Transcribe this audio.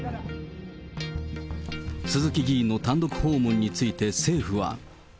鈴木議員の単独訪問について政府は。